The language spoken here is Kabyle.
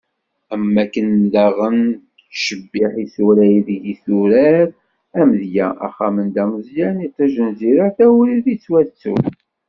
Am wakken daɣen tettcebiḥ isura ideg i d-turar, amedya: Axxam n Dda Meẓyan, Itij n Zira, Tawrirt yettwattun.